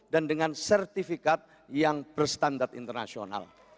dan dengan sertifikat yang berstandard internasional